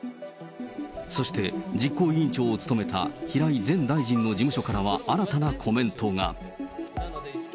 そして、実行委員長を務めた平井前大臣の事務所からは新たなコメントが。